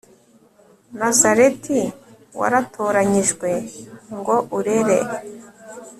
nazareti, waratoranyijwe, ngo urere